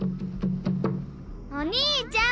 お兄ちゃん！